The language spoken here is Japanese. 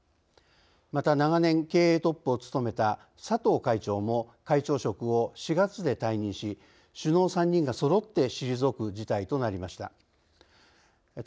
また長年、経営トップを務めた佐藤会長も会長職を４月で退任し首脳３人がそろって退く事態となりました。